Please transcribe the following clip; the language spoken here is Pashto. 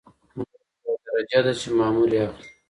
بست یوه درجه ده چې مامور یې اخلي.